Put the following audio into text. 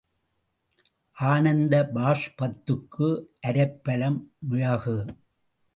ஆனந்த பாஷ்பத்துக்கு அரைப்பலம் மிளகு.